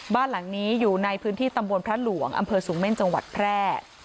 บ้านหลังนี้อยู่ในพื้นที่ตำบลพระหลวงอำเภอสูงเม่นจังหวัดแพร่